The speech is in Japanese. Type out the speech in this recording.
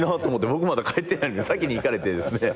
僕まだ帰ってないんで先に行かれて。